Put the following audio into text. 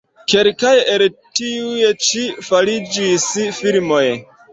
Kelkaj el tiuj-ĉi fariĝis filmoj.